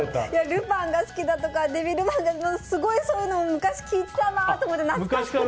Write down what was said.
ルパンが好きだとかデビルマンがとかすごい、そういうの昔聞いてたなと思って懐かしくて。